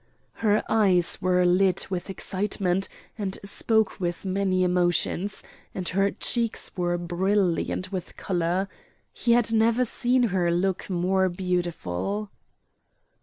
Her eyes were lit with excitement, and spoke with many emotions, and her cheeks were brilliant with color. He had never seen her look more beautiful.